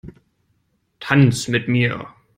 Tanz mit mir!